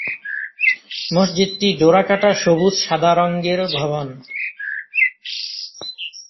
মসজিদটি ডোরাকাটা সবুজ-সাদা রঙের ভবন।